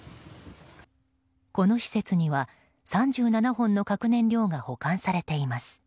この施設には３７本の核燃料が保管されています。